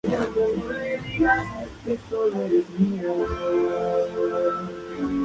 Las respuestas a estas preguntas ya habían sido dadas.